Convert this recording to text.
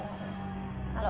cuman numpah tangkil